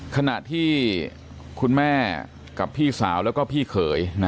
ขณะที่คุณแม่กับพี่สาวแล้วก็พี่เขย